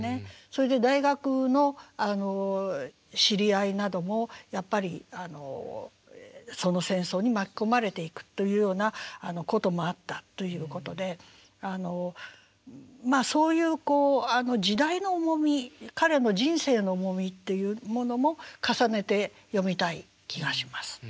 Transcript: それで大学の知り合いなどもやっぱりその戦争に巻き込まれていくというようなこともあったということでまあそういう時代の重み彼の人生の重みっていうものも重ねて読みたい気がします。